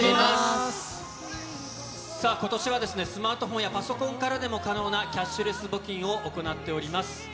さあ、ことしはスマートフォンやパソコンからも可能なキャッシュレス募金を行っております。